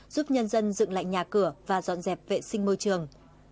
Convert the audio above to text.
giúp nhân dân dựng lại nhà cửa và dọn dẹp vệ sinh môi trường